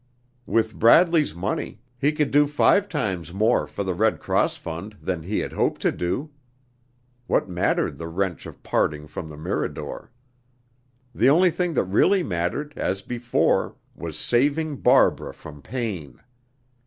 With Bradley's money, he could do five times more for the Red Cross fund than he had hoped to do. What mattered the wrench of parting from the Mirador? The only thing that really mattered, as before, was saving Barbara from pain.